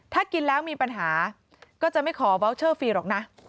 ถ้ากินแล้วมีปัญหาก็จะไม่ขอเบาเชอร์ฟรีหรอกนะ